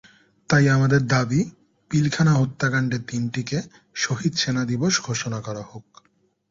তাই আমাদের দাবি পিলখানা হত্যাকাণ্ডের দিনটিকে শহীদ সেনা দিবস ঘোষণা করা হোক।